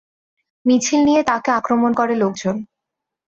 মিছিল নিয়ে তাঁকে আক্রমণ করে লোকজন।